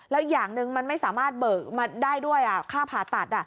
แล้วอย่างหนึ่งมันไม่สามารถเบิกมาได้ด้วยค่าผ่าตัด